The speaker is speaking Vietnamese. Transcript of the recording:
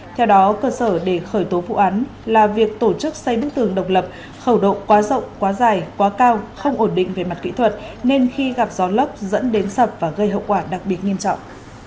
theo đó cơ sở để khởi tố vụ án là việc tổ chức xây bức tường độc lập khẩu độ quá rộng quá dài quá cao không ổn định về mặt kỹ thuật nên khi gặp gió lốc dẫn đến sập và gây hậu quả đặc biệt nghiêm trọng